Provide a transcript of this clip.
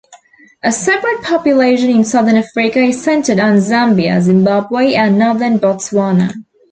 A separate population in southern Africa is centred on Zambia, Zimbabwe and northern Botswana.